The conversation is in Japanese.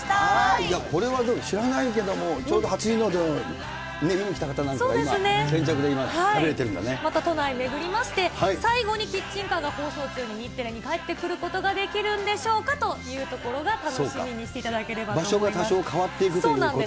これはでも知らないけれども、ちょうど初日の出を見に来た方なんかが今、先着で今、食べれてるまた都内巡りまして、最後にキッチンカーが放送中に日テレに帰ってくることができるんでしょうかというところが楽しみにしていただければと思います。